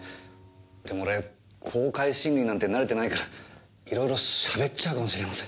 でも俺公開審理なんて慣れてないからいろいろしゃべっちゃうかもしれません。